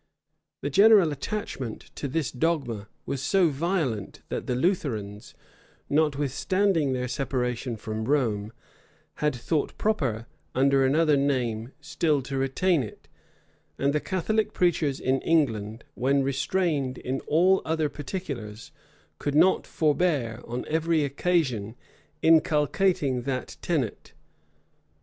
The general attachment to this dogma was so violent, that the Lutherans, notwithstanding their separation from Rome, had thought proper, under another name, still to retain it; and the Catholic preachers in England, when restrained in all other particulars, could not forbear, on every occasion, inculcating that tenet.